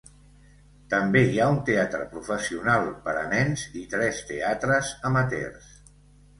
També hi ha un teatre professional per a nens i tres teatres amateurs.